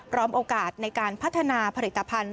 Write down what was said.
โอกาสในการพัฒนาผลิตภัณฑ์